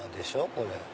これ。